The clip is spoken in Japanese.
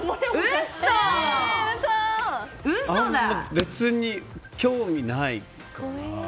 別に、興味ないから。